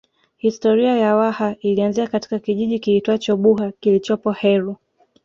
Historia ya Waha ilianzia katika kijiji kiitwacho Buha kilichopo Heru